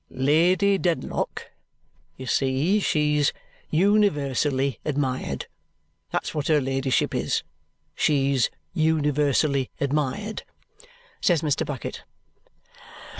"Lady Dedlock, you see she's universally admired. That's what her ladyship is; she's universally admired," says Mr. Bucket.